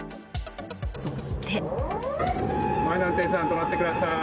そして。